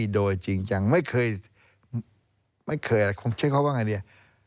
โดยจริงจังไม่เคยไม่เคยอะไรใช้คำว่าไงดี